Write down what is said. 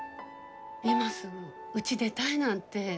今すぐうち出たいなんて。